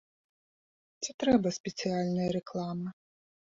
Ці трэба спецыяльная рэклама?